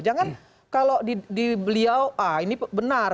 jangan kalau di beliau ah ini benar